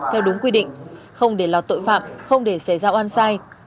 theo đúng quy định không để lọt tội phạm không để xảy ra oan sai